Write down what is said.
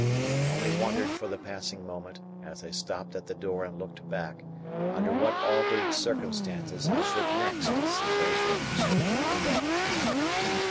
I only wondered for the passing moment, as I stopped at the door and looked back, under what altered circumstances I should next see those rooms, if ever.